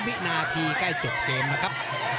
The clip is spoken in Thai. วินาทีใกล้จบเกมนะครับ